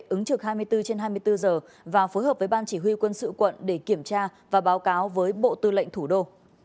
ứng trực hai mươi bốn trên hai mươi bốn giờ và phối hợp với ban chỉ huy quân sự quận để kiểm tra và báo cáo với bộ tư lệnh thủ đô